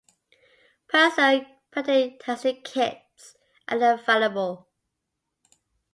Personal paternity-testing kits are available.